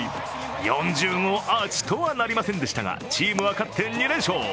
４０号アーチとはなりませんでしたが、チームは勝って２連勝。